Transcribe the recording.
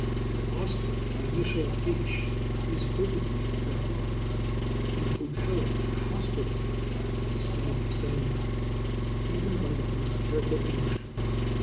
In /ostler/ the initial /h/ is openly left off; in /hotel/ and /hospital/ it is [Pg062] seldom sounded, even by the most careful Englishmen.